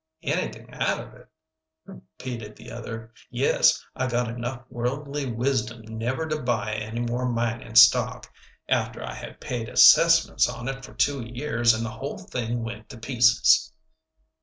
"Anything out of it?" repeated the other. "Yes, I got enough worldly wisdom never to buy any more mining stock, after I had paid assessments on it for two years and the whole thing went to pieces."